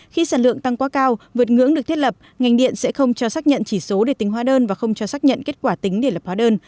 khi sản lượng tăng quá cao vượt ngưỡng được thiết lập ngành điện sẽ không cho xác nhận chỉ số để tính hóa đơn và không cho xác nhận kết quả tính để lập hóa đơn